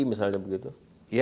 misalnya fpi dan fpi